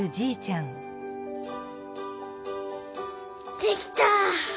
できた！